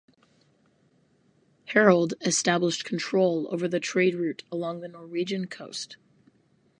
Harald established control over the trade route along the Norwegian coast.